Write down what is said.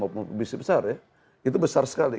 pembeli pembeli besar itu besar sekali